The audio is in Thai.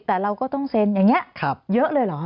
แต่เราก็ต้องเซ็นอย่างนี้เยอะเลยเหรอ